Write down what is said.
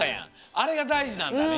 あれがだいじなんだね。